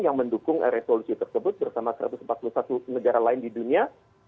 yang mendukung resolusi tersebut bersama satu ratus empat puluh satu negara lain di dunia